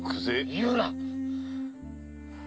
言うな！